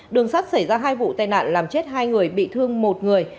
đường sắt xảy ra hai vụ tai nạn làm chết hai người bị thương một người